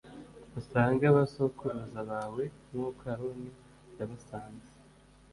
usange abasokuruza bawe nk’uko aroni yabasanze.